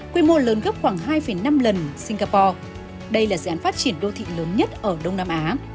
quy mô lớn gấp khoảng hai năm lần singapore đây là dự án phát triển đô thị lớn nhất ở đông nam á